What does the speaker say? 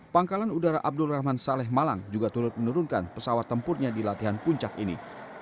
pangkalan udara abdul rahman saleh malang juga turut menurunkan pesawat tempurnya di latihan puncak ini